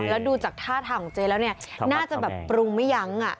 แล้วดูจากท่าทางของเจ๊แล้วเนี่ยน่าจะแบบปรุงไม่ยั้ง